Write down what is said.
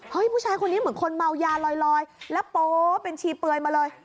ผู้ชายคนนี้เหมือนคนเมายาลอยแล้วโป๊เป็นชีเปลือยมาเลย